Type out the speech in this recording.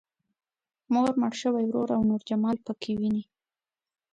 مور، مړ شوی ورور او نور جمال پکې ويني.